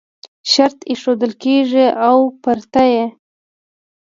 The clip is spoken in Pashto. شرط ایښودل کېږي او پرته یې